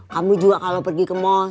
kamu juga kalau pergi ke mall